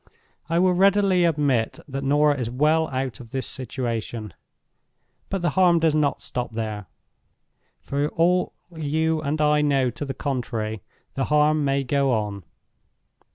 I will readily admit that Norah is well out of this situation. But the harm does not stop here. For all you and I know to the contrary, the harm may go on.